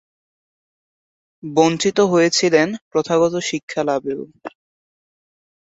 বঞ্চিত হয়েছিলেন প্রথাগত শিক্ষালাভেও।